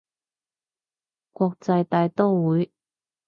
國際大刀會